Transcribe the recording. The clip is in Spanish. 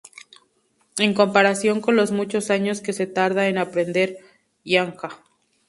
En comparación con los muchos años que se tarda en aprender Hanja.